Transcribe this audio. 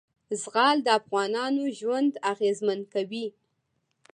زغال د افغانانو ژوند اغېزمن کوي.